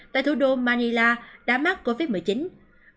tại thủ đô manila đã mắc covid một mươi chín